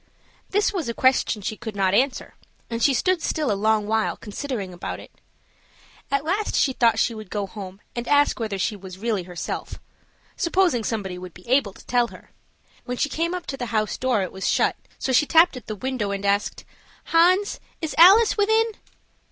This was a question she could not answer, and she stood still a long while considering about it. At last she thought she would go home and ask whether she was really herself supposing somebody would be able to tell her. When she came up to the house door it was shut; so she tapped at the window, and asked, "Hans, is Alice within?"